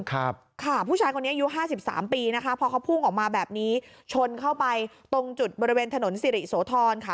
ครับค่ะผู้ชายคนนี้อายุห้าสิบสามปีนะคะพอเขาพุ่งออกมาแบบนี้ชนเข้าไปตรงจุดบริเวณถนนสิริโสธรค่ะ